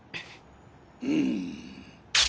うん。